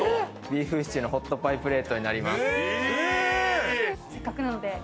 ビーフシチューのポットパイプレートになります。